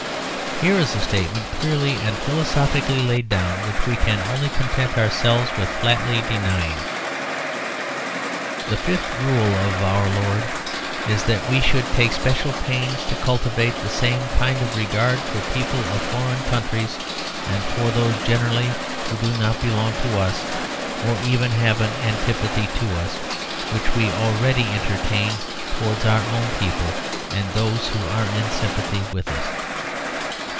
Here is a statement clearly and philosophically laid down which we can only content ourselves with flatly denying: "The fifth rule of our Lord is that we should take special pains to cultivate the same kind of regard for people of foreign countries, and for those generally who do not belong to us, or even have an antipathy to us, which we already entertain towards our own people, and those who are in sympathy with us."